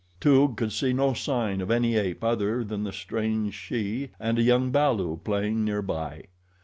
Toog could see no sign of any ape other than the strange she and a young balu playing near by.